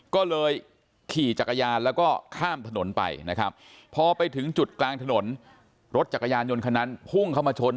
ก็เลยขี่จักรยานแล้วก็ข้ามถนนไปนะครับพอไปถึงจุดกลางถนนรถจักรยานยนต์คันนั้นพุ่งเข้ามาชน